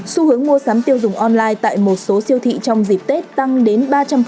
xu hướng mua sắm tiêu dùng online tại một số siêu thị trong dịp tết tăng đến ba trăm linh